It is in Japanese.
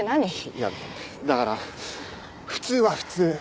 いやだから普通は普通。